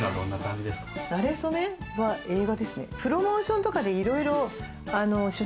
なれそめは映画ですね。